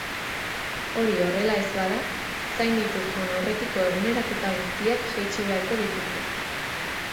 Hori horrela ez bada, zain dituzun aurretiko eguneraketa guztiak jaitsi beharko dituzu.